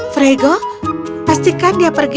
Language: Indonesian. frego pastikan dia pergi